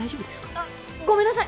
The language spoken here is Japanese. あっごめんなさい